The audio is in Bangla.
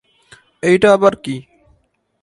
এইটা আবার কি?